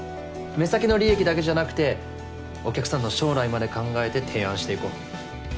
目先の利益だけじゃなくてお客さんの将来まで考えて提案していこう。